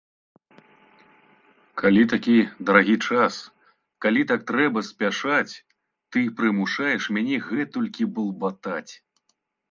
Калі такі дарагі час, калі так трэба спяшаць, ты прымушаеш мяне гэтулькі балбатаць!